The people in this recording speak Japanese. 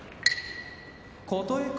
琴恵光